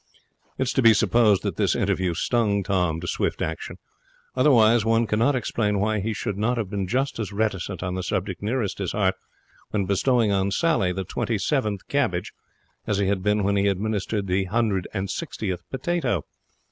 It is to be supposed that this interview stung Tom to swift action. Otherwise, one cannot explain why he should not have been just as reticent on the subject nearest his heart when bestowing on Sally the twenty seventh cabbage as he had been when administering the hundred and sixtieth potato.